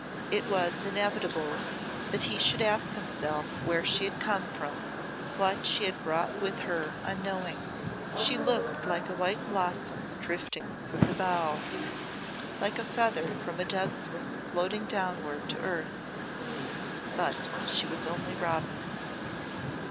It was inevitable that he should ask himself where she had come from what she had brought with her unknowing. She looked like a white blossom drifting from the bough like a feather from a dove's wing floating downward to earth. But she was only Robin.